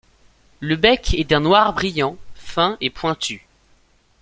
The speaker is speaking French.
Le bec est d'un noir brillant, fin et pointu.